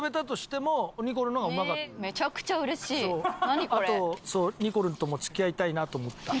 あとにこるんとも付き合いたいなと思った。